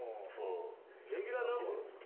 レギュラー何本ですか？